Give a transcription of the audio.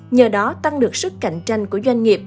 nhờ đó tăng được sức cạnh tranh của doanh nghiệp